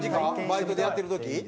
バイトでやってる時？